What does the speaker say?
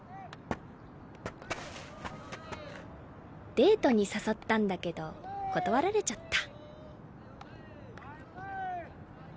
デートに誘ったんだけど断られちゃった。